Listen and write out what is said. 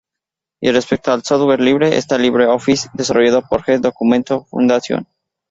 Y respecto al software libre, está LibreOffice, desarrollado por "The Document Foundation".